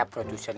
mbak mbak mbak